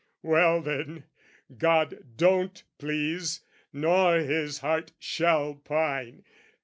Well then, God don't please, nor his heart shall pine!